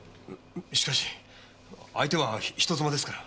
しかし相手は人妻ですから。